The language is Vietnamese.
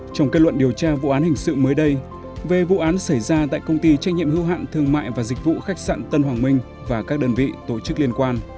trong kết luận điều tra vụ án hình sự mới đây về vụ án xảy ra tại công ty trách nhiệm hưu hạn thương mại và dịch vụ khách sạn tân hoàng minh và các đơn vị tổ chức liên quan